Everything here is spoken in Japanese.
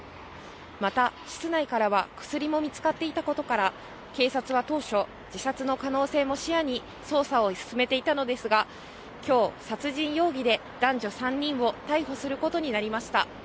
また、室内からは薬も見つかっていたことから警察は当初、自殺の可能性も視野に捜査を進めていたのですが今日、殺人容疑で男女３人を逮捕することになりました。